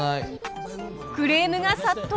クレームが殺到！